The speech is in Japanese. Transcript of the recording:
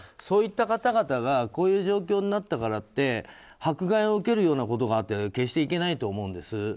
そういった方々がこういう状況になったからって迫害を受けるようなことがあっては決していけないと思うんです。